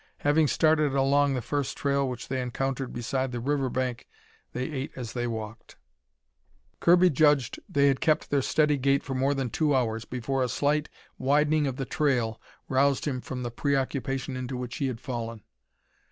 Having started along the first trail which they encountered beside the river bank, they ate as they walked. Kirby judged they had kept their steady gait for more than two hours before a slight widening of the trail roused him from the preoccupation into which he had fallen.